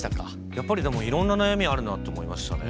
やっぱりでもいろんな悩みあるなと思いましたね。